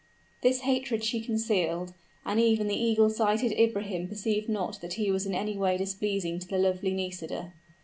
This hatred she concealed, and even the eagle sighted Ibrahim perceived not that he was in any way displeasing to the lovely Nisida.